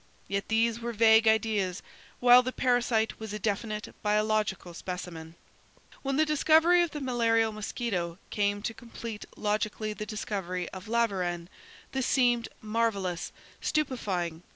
Yet these were vague ideas, while the parasite was a definite biological specimen. When the discovery of the malarial mosquito came to complete logically the discovery of Laveran, this seemed marvellous, stupefying.